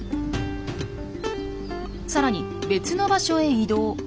さらに別の場所へ移動。